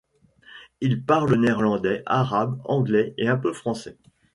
Il parle néerlandais, arabe, anglais et un peu français.